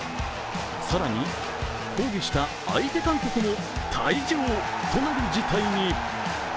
更に抗議した相手監督も退場となる事態に。